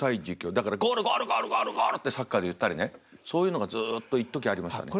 だから「ゴールゴールゴールゴール！」ってサッカーで言ったりねそういうのがずっといっときありましたね。